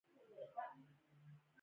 افغانستان په ګاز باندې تکیه لري.